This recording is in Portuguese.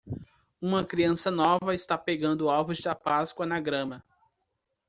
Uma criança nova está pegando ovos da páscoa na grama.